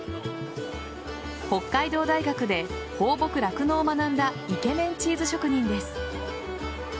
北海道大学で放牧酪農を学んだイケメンチーズ職人です。